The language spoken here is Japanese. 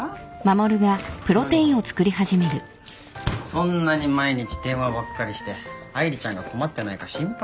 そんなに毎日電話ばっかりして愛梨ちゃんが困ってないか心配だよ。